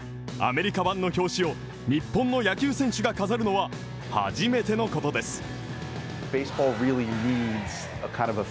アメリカ版の表紙を日本の野球選手が飾るのは初めてのことです。